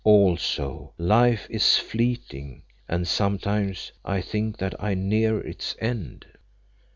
Also, life is fleeting, and sometimes I think that I near its end."